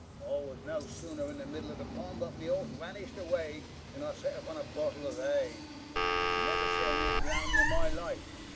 I was no sooner in the middle of the pond, but my horse vanished away, and I sat upon a bottle of hay, never so near drowning in my life.